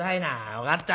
「分かった。